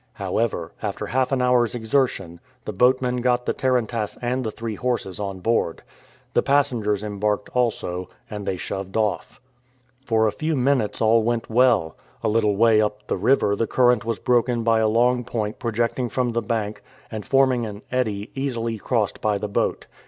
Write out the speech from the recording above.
However, after half an hour's exertion, the boatmen got the tarantass and the three horses on board. The passengers embarked also, and they shoved off. For a few minutes all went well. A little way up the river the current was broken by a long point projecting from the bank, and forming an eddy easily crossed by the boat.